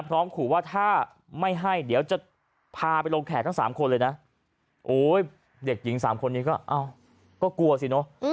พร้อมขู่ว่าถ้าไม่ให้เดี๋ยวจะพาไปลงแขกทั้ง๓คนเลยนะโอ้ยเด็กหญิง๓คนนี้ก็กลัวสิเนอะ